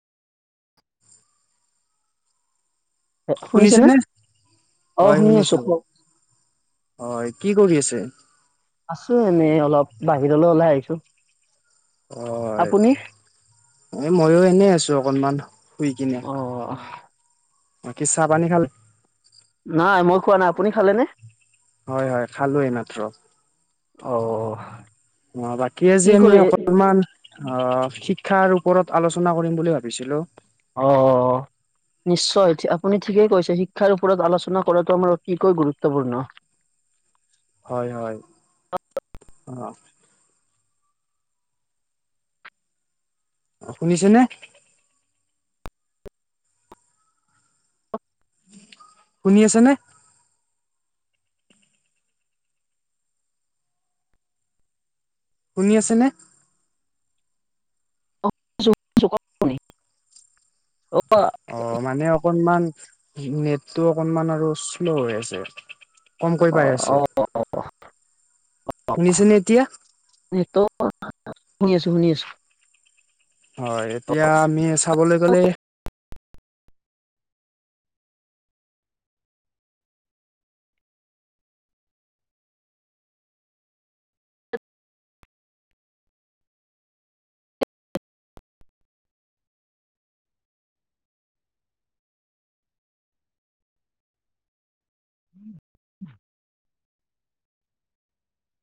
শুনিছে নে? শুনিছেনে? অ' হয় শুনি আছোঁ। শুনিছো। কোৱ হয় কি কৰি আছে? আছোঁ এনে অলপ, বাহিৰলৈ ওলাই আহিছোঁ। অ'। এ মইও এনে আছোঁ অকনমান, শুই কিনে। অ বাকী কি চাহ-পানী খালে? নাই মই খোৱা নাই। আপুনি খালে নে? হয়-হয়, খালোঁ এইমাত্ৰ। অ অ' বাকী আজি কি আমি কৰি অকণমান অ' শিক ক্ষাৰ ওপৰত আলোচনা কৰিম বুলি ভাবিছিলোঁ। অ'। নিশ্চয়, ঠি- আপুনি ঠিকেই কৈছে। শিক্ষাৰ ওপৰত আলোচনা কৰাটো আমাৰ অতিকৈ গুৰুত্বপূৰ্ণ। হয়- হয়, অঁ। অঁ শুনিছেনে। শুনি আছে নে। শুনি আছেনে। [unintelligible] [inaudible] অ মানে অকনমান নেটটো অকনমান আৰু শ্ল' হৈ আছে কমকৈ পাই অ আছো, অ শুনিছেনে এতিয়া। সেইটো শুনি আছো- শুনি আছো। হয়, এতিয়া আমি চাবলৈ গ'লে